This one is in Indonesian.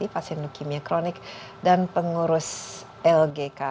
pasien leukemia kronik dan pengurus lgk